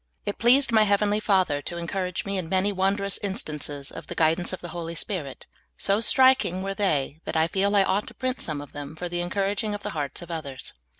It pleased my heavenly Father to encourage me by many wondrous instances of the guidance of the Holy Spirit ; so striking were they that I feel I ought to print some of them for the encouraging of the hearts of others.